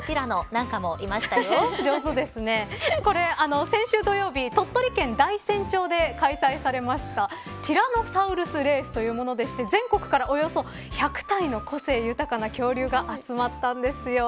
なんかもこれは先週土曜日鳥取県大山町で開催されましたティラノサウルスレースというものでして、全国からおよそ１００体の個性豊かな恐竜が集まったんですよ。